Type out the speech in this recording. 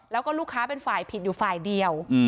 แล้วก็ลูกค้าเป็นฝ่ายผิดอยู่ฝ่ายเดียว